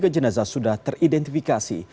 tiga jenazah sudah teridentifikasi